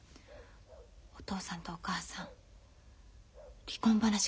お父さんとお母さん離婚話が出てるの。